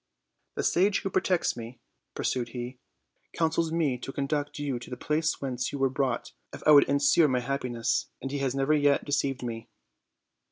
"The sage who protects me," pursued he, "counsels me to conduct you to the place whence you were brought if I would insure my happiness; and he has never yet deceived me."